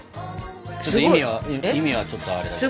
ちょっと意味は意味はちょっとあれだけど。